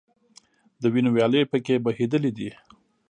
د وینو ویالې په کې بهیدلي دي.